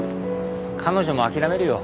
彼女も諦めるよ